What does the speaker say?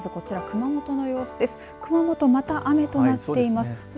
まずこちら熊本の様子です。